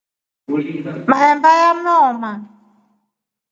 Maemba yameoma.